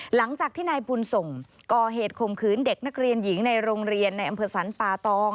หลังจากที่นายบุญส่งก่อเหตุข่มขืนเด็กนักเรียนหญิงในโรงเรียนในอำเภอสรรปาตอง